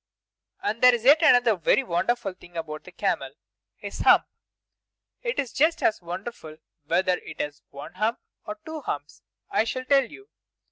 And there is yet another very wonderful thing about the camel. His hump! It is just as wonderful whether it is one hump or two humps. I shall tell you.